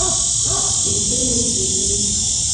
Издыруеит зегьы.